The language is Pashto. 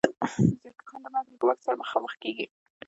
زیارکښان د مرګ له ګواښ سره مخامخ کېږي